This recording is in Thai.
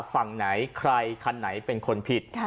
ฝั่งไหนใครคันไหนเป็นคนผิด